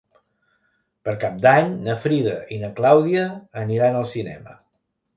Per Cap d'Any na Frida i na Clàudia aniran al cinema.